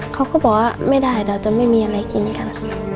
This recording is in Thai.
เขาก็บอกว่าไม่ได้เราจะไม่มีอะไรกินกัน